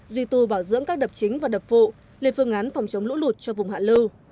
duy tu bảo dưỡng các đập chính và đập phụ lên phương án phòng chống lũ lụt cho vùng hạ lưu